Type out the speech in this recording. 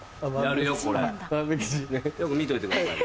よく見といてくださいね。